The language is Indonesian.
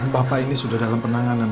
bapak ini sudah dalam penanganan